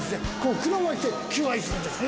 膨らませて求愛するんですね。